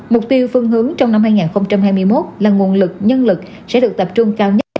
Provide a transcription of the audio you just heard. mục tiêu phương hướng trong năm hai nghìn hai mươi một là nguồn lực nhân lực sẽ được tập trung cao nhất